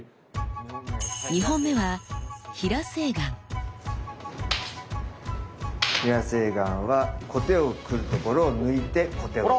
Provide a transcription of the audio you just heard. ２本目は平晴眼は小手を来るところを抜いて小手を打つ。